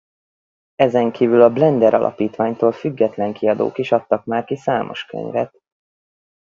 Ezen kívül a Blender Alapítványtól független kiadók is adtak már ki számos könyvet.